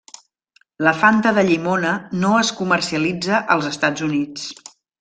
La Fanta de llimona no es comercialitza als Estats Units.